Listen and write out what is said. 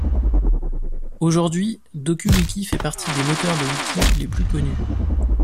Aujourd’hui, DokuWiki fait partie des moteurs de Wiki les plus connus.